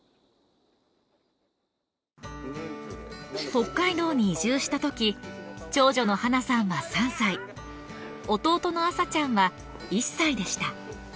北海道に移住したとき長女の花さんは３歳弟の麻ちゃんは１歳でした。